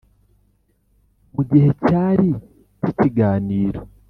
mu gice cyari cy' ikiganiro